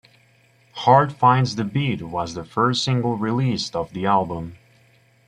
"Heart Finds the Beat" was the first single released off the album.